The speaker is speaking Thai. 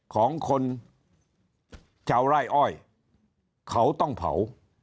ของคนชาวไร่อ้อยเขาต้องเผา